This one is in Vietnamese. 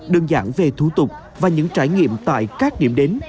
đơn giản về thủ tục và những trải nghiệm tại các điểm đến